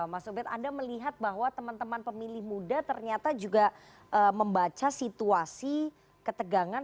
mas sobet anda melihat bahwa teman teman pemilih muda ternyata juga membaca situasi ketegangan